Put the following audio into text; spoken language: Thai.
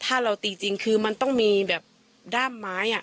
ถ้าเราตีจริงคือมันต้องมีแบบด้ามไม้